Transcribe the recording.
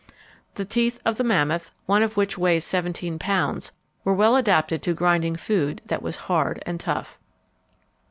The teeth of the mammoth, one of which weighs seventeen pounds, were well adapted to grinding food that was hard and tough.